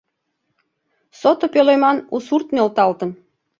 Сото пӧлеман у сурт нӧлталтын